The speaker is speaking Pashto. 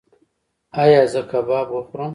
ایا زه کباب وخورم؟